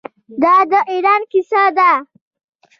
دا د ایران کیسه ده.